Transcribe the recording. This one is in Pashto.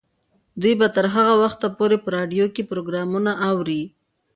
دوی به تر هغه وخته پورې په راډیو کې پروګرامونه اوري.